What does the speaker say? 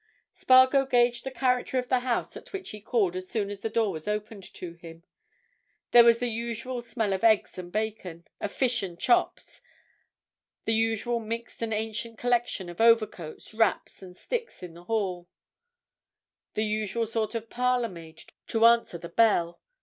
Spargo gauged the character of the house at which he called as soon as the door was opened to him. There was the usual smell of eggs and bacon, of fish and chops; the usual mixed and ancient collection of overcoats, wraps, and sticks in the hall; the usual sort of parlourmaid to answer the bell.